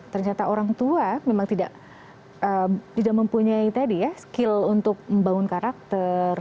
ternyata orang tua memang tidak mempunyai tadi ya skill untuk membangun karakter